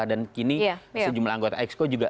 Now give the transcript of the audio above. dan kini sejumlah anggota expo juga